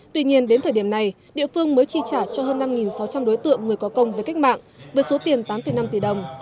tuy nhiên đến thời điểm này địa phương mới chi trả cho hơn năm sáu trăm linh đối tượng người có công với cách mạng với số tiền tám năm tỷ đồng